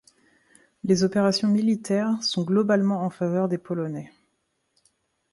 Les opérations militaires sont globalement en faveur des Polonais.